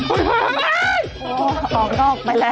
อ๋อออกก็ออกไปแล้ว